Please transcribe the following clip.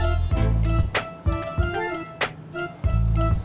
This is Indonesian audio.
ya kan jalanan rame banyak yang lewat